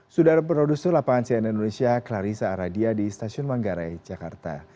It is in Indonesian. sudara produsen lapangan cnn indonesia clarissa aradia di stasiun manggarai jakarta